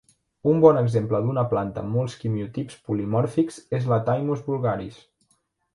Un bon exemple d'una planta amb molts quimiotips polimòrfics és la "Thymus vulgaris".